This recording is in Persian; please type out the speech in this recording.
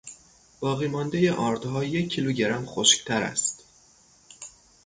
باقی ماندهٔ آردها یک کیلو گرم خشکتر است.